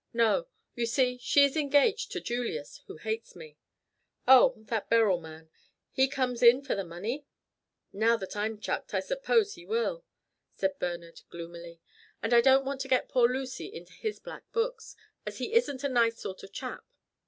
"No. You see, she is engaged to Julius, who hates me." "Oh, that Beryl man. He comes in for the money?" "Now that I'm chucked I suppose he will," said Bernard, gloomily; "and I don't want to get poor Lucy into his black books, as he isn't a nice sort of chap.